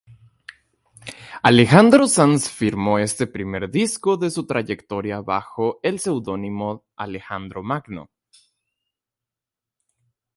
Alejandro Sanz firmó este primer disco de su trayectoria bajo el seudónimo Alejandro Magno.